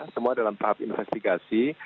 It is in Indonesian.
semua dalam tahap investigasi